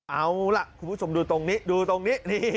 เอาล่ะทุกคนดูตรงนี้